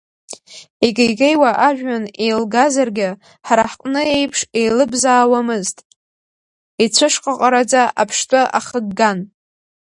Икеикеиуа ажәҩан еилгазаргьы, ҳара ҳҟны еиԥш, еилыбзаауамызт, ицәышҟаҟараӡа, аԥштәы ахыгган.